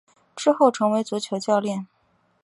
之后成为足球教练。